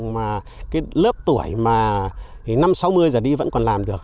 mà cái lớp tuổi mà năm sáu mươi giờ đi vẫn còn làm được